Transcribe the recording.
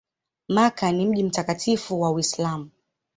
Makka ni mji mtakatifu wa Uislamu.